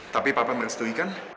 tapi aku harus menikahi kan